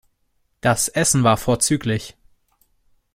Das Essen war vorzüglich.